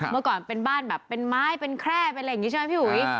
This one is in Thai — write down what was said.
เมื่อก่อนเป็นบ้านแบบเป็นไม้เป็นแคร่เป็นอะไรอย่างนี้ใช่ไหมพี่อุ๋ย